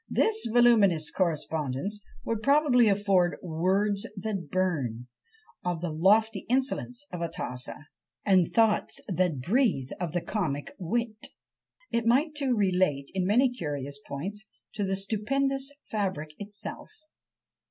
This "voluminous correspondence" would probably afford "words that burn" of the lofty insolence of Atossa, and "thoughts that breathe" of the comic wit; it might too relate, in many curious points, to the stupendous fabric itself.